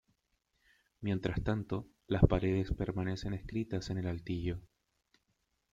Mientras tanto, las paredes permanecen escritas en el altillo.